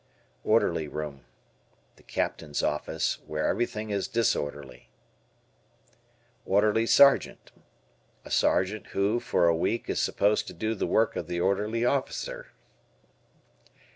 Orderly Room. The Captain's office where everything is disorderly. Orderly Sergeant. A sergeant who, for a week, is supposed to do the work of the Orderly Officer.